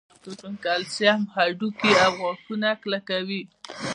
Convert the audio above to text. کلسیم هډوکي او غاښونه کلکوي